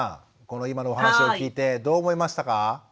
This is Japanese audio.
この今のお話を聞いてどう思いましたか？